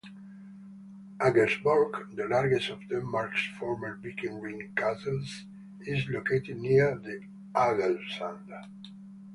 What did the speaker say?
Aggersborg, the largest of Denmark's former Viking ring castles, is located near Aggersund.